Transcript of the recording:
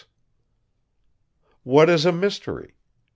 What is a mystery?